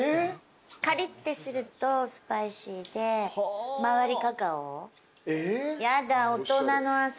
カリッてするとスパイシーで周りカカオ。